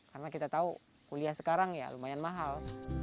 karena kita tahu kuliah sekarang ya lumayan mahal